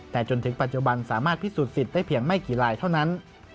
แต่จนถึงปัจจุบันสามารถพิสูจนสิทธิ์ได้เพียงไม่กี่ลายเท่านั้น